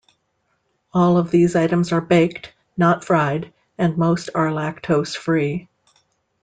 All of these items are baked, not fried, and most are lactose free.